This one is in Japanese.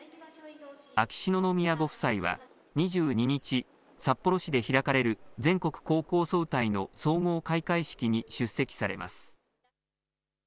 秋篠宮ご夫妻は２２日札幌市で開かれる全国高校総体の総合開会式に出席されます。